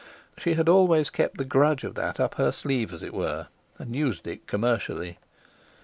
She had always kept the grudge of that up her sleeve, as it were, and used it commercially.